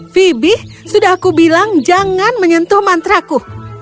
phibie sudah aku bilang jangan menyentuh mantraku